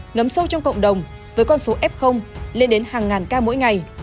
ngấm sâu trong cộng đồng với con số f lên đến hàng ngàn ca mỗi ngày